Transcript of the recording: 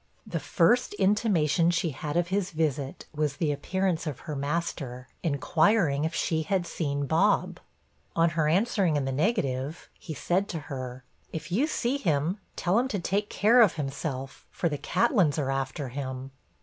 The first intimation she had of his visit was the appearance of her master, inquiring 'if she had seen Bob.' On her answering in the negative, he said to her, 'If you see him, tell him to take care of himself, for the Catlins are after him.'